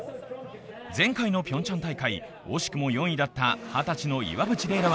前回のピョンチャン大会惜しくも４位だった二十歳の岩渕麗